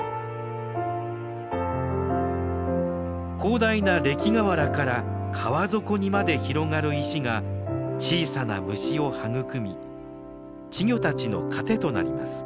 広大な礫河原から川底にまで広がる石が小さな虫を育み稚魚たちの糧となります。